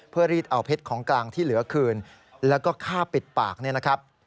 เพื่อรีดเอาเพชรของกลางที่เหลือคืนแล้วก็ฆ่าปิดปากเนี่ยนะครับ